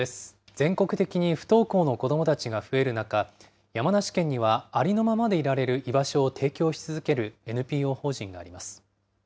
全国的に不登校の子どもたちが増える中、山梨県には、ありのままでいられる居場所を提供し続けるＮＰＯ法人があります。